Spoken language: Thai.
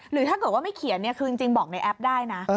หรือถ้าไม่เขียนคือบอกในแอปได้นะ